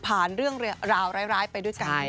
เรื่องราวร้ายไปด้วยกัน